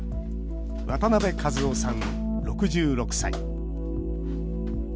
渡辺和夫さん、６６歳。